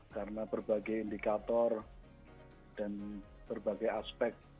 karena berbagai indikator dan berbagai aspek